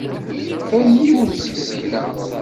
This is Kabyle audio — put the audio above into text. Fren yiwen seg sin-a.